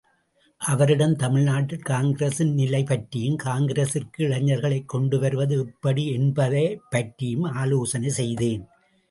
அவரிடம் தமிழ்நாட்டில் காங்கிரசின் நிலை பற்றியும், காங்கிரசிற்கு இளைஞர்களைக் கொண்டு வருவது எப்படி என்பதைப்பற்றியும் ஆலோசனை செய்தேன்.